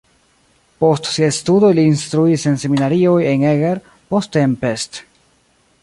Post siaj studoj li instruis en seminarioj en Eger, poste en Pest.